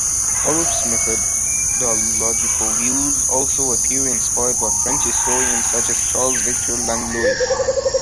Arup's methodological views also appear inspired by French historians such as and Charles-Victor Langlois.